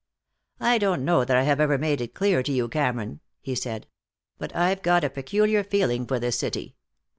"I don't know that I have ever made it clear to you, Cameron," he said, "but I've got a peculiar feeling for this city.